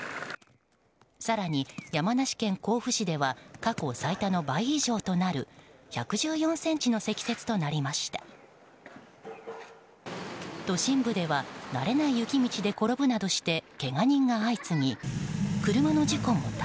更に山梨県甲府市では過去最多の倍以上となる１１４ｃｍの積雪となりました。